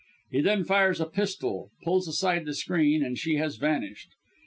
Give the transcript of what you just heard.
He then fires a pistol, pulls aside the screen, and she has vanished.